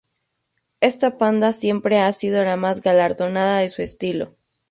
Esta panda siempre ha sido la más galardonada de su estilo.